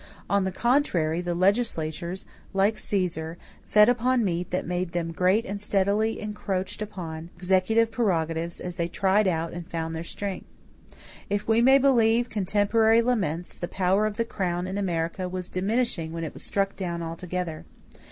On the contrary, the legislatures, like Cæsar, fed upon meat that made them great and steadily encroached upon executive prerogatives as they tried out and found their strength. If we may believe contemporary laments, the power of the crown in America was diminishing when it was struck down altogether.